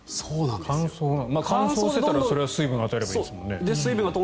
乾燥していたらそれは水分を与えればいいんですもんね。